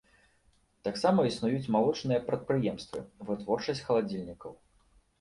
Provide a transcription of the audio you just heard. Тут таксама існуюць малочныя прадпрыемствы, вытворчасць халадзільнікаў.